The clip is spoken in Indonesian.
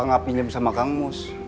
kenapa gak pinjem sama kang mus